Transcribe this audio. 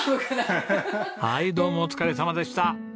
はいどうもお疲れさまでした。